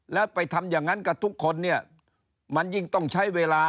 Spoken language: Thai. แล้วไปทำอย่างนั้นกับทุกคนเนี่ยมันยิ่งต้องใช้เวลา